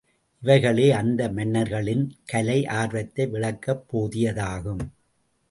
இவைகளே, அந்த மன்னர்களின் கலை ஆர்வத்தை விளக்கப் போதியதாகும்.